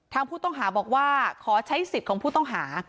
ทางผู้ต้องหาบอกว่าขอใช้สิทธิ์ของผู้ต้องหา